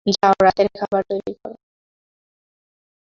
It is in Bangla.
যাও, রাতের খাবার তৈরি কর।